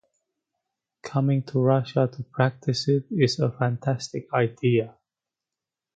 Coming to Russia to practice it is a fantastic idea!